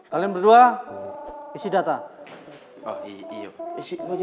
kalian berdua ikut saya